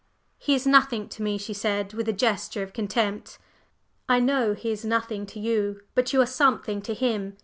"He is nothing to me!" she said, with a gesture of contempt. "I know he is nothing to you; but you are something to him.